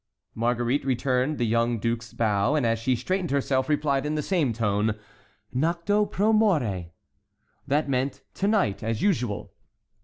Marguerite returned the young duke's bow, and as she straightened herself, replied, in the same tone, "Noctu pro more." That meant: "To night, as usual."